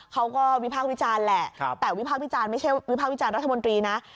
เขาก็วิภาควิจารแหละแต่วิภาควิจารไม่ใช่วิภาควิจารรัฐมนตรีนะ